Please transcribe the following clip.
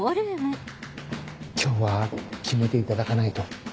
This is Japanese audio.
今日は決めていただかないと。